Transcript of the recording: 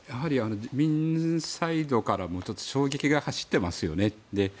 自民サイドからも衝撃が走っていますよね。